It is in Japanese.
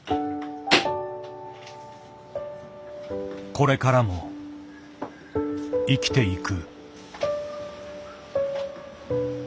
これからも生きていく。